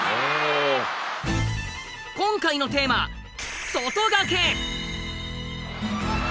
今回のテーマ「外掛け」。